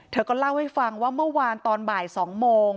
เธอก็เล่าให้ฟังว่าเมื่อวานตอนบ่าย๒โมง